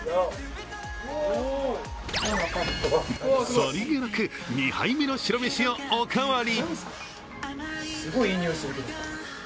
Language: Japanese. さりげなく、２杯目の白飯をおかわり。